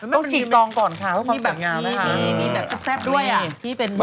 ต้องฉีดซองก่อนค่ะเพราะว่าสวยงามนะคะ